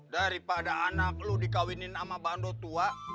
daripada anak lo dikawinin sama bandotua